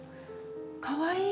かわいい！